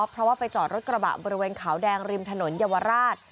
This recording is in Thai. เพราะว่าไปจอดรถกระบะบริเวณขาวแดงริมถนนเยาวราช